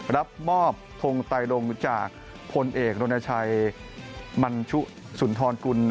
รับมอบทงไตรงจากพลเอกรณชัยมันชุสุนทรกุล